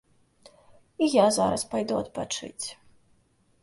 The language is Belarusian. І я зараз пайду адпачыць.